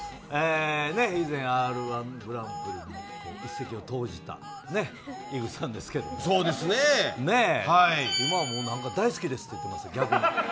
以前、Ｒ−１グランプリで一石を投じた井口さんですけど今はなんか大好きですと言ってましたけど。